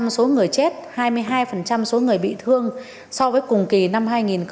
năm mươi số người chết hai mươi hai số người bị thương so với cùng kỳ năm hai nghìn một mươi tám